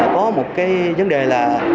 có một cái vấn đề là